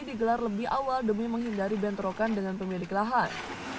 digelar lebih awal demi menghindari bentrokan dengan pemilik lahan